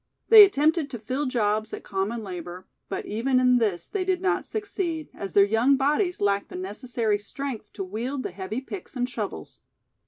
They attempted to fill jobs at common labor, but even in this they did not succeed, as their young bodies lacked the necessary strength to wield the heavy picks and shovels.